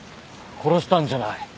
殺したんじゃない。